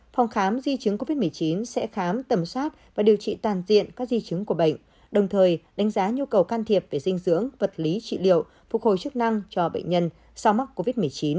phòng khám di chứng covid một mươi chín sẽ khám tầm soát và điều trị toàn diện các di chứng của bệnh đồng thời đánh giá nhu cầu can thiệp về dinh dưỡng vật lý trị liệu phục hồi chức năng cho bệnh nhân sau mắc covid một mươi chín